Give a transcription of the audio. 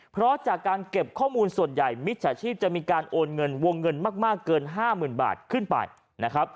เพราะจากการเก็บข้อมูลส่วนใหญ่มิจฉาชีพจะมีการโอนเงินวงเงินมากเกิน๕๐๐๐บาทขึ้นไปนะครับ